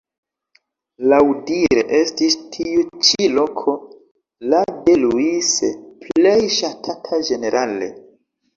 Laŭdire estis tiu ĉi loko la de Luise plej ŝatata ĝenerale.